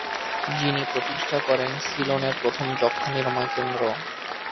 তিনি প্রতিষ্ঠা করেন সিলনের প্রথম যক্ষ্মা-নিরাময় কেন্দ্র।